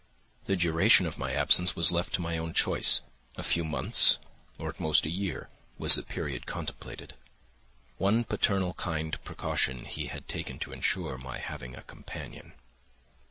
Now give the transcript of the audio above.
The duration of my absence was left to my own choice; a few months, or at most a year, was the period contemplated. One paternal kind precaution he had taken to ensure my having a companion.